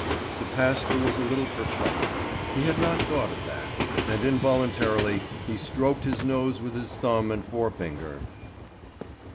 The pastor was a little perplexed. He had not thought of that, and involuntarily he stroked his nose with his thumb and forefinger.